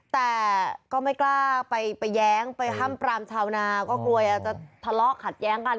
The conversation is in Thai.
แต่ก็ไม่กล้าไปแย้งไปห้ามปรามชาวนาก็กลัวจะทะเลาะขัดแย้งกัน